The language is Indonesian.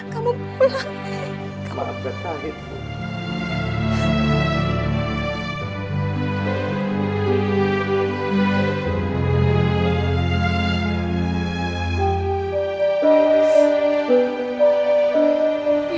kamu pulang eh